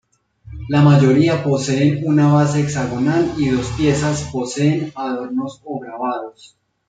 La mayoría poseen una base hexagonal y dos piezas poseen adornos o grabados.